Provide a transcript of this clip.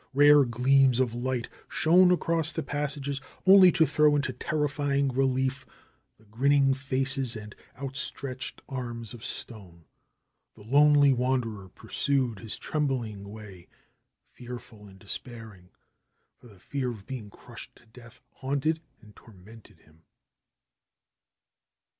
Rare gleams of light shone across the passages, only to throw into terrifying relief the grinning faces and outstretched arms of stone. The lonely wanderer pursued his trembling way, fearful and despairing. For the fear of being crushed to death haunted and tormented him.